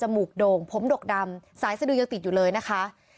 มูกโด่งผมดกดำสายสะดือยังติดอยู่เลยนะคะ